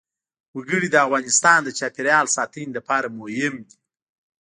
وګړي د افغانستان د چاپیریال ساتنې لپاره مهم دي.